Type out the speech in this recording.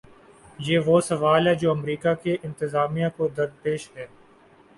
یہ وہ سوال ہے جو امریکہ کی انتظامیہ کو درپیش ہے۔